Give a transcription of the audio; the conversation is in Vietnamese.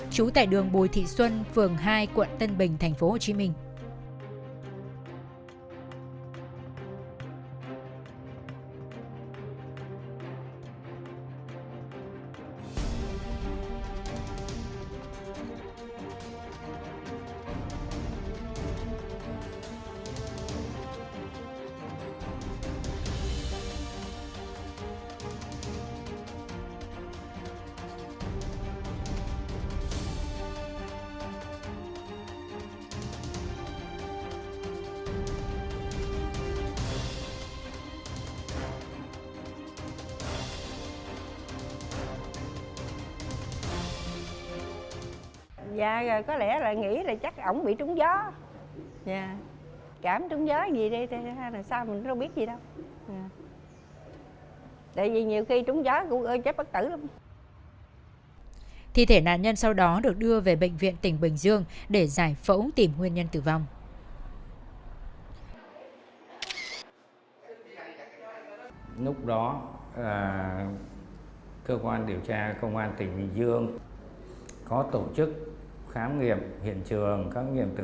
chú tại đường bồi thị xuân phường hai quận tân bình tp hcm